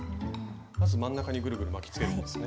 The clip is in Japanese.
まず真ん中にぐるぐる巻きつけるんですね。